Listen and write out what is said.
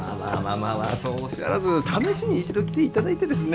まあそうおっしゃらず試しに一度来ていただいてですね。